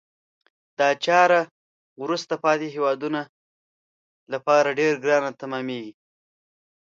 دا چاره وروسته پاتې هېوادونه لپاره ډیره ګرانه تمامیږي.